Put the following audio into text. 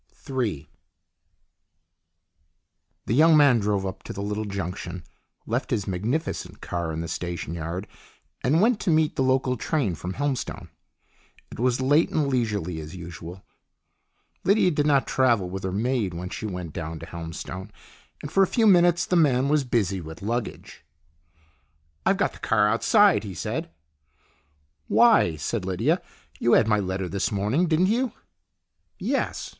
Ill THE young man drove up to the little junction, left his magnificent car in the station yard, and went to meet the local train from Helmstone. It was late and leisurely, as usual. Lydia did not travel with her maid when she went down to Helmstone, and for a few minutes the man was busy with luggage. " I've got the car outside," he said. " Why ?" said Lydia. " You had my letter this morning, didn't you ?" "Yes.